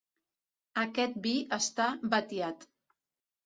Aquest vi està batiat.